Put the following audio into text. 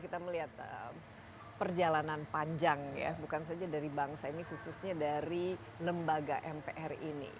kita melihat perjalanan panjang ya bukan saja dari bangsa ini khususnya dari lembaga mpr ini